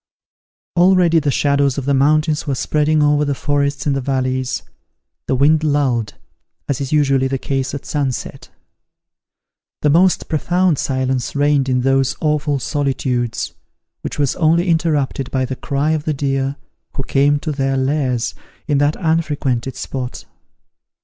Already the shadows of the mountains were spreading over the forests in the valleys. The wind lulled, as is usually the case at sunset. The most profound silence reigned in those awful solitudes, which was only interrupted by the cry of the deer, who came to their lairs in that unfrequented spot.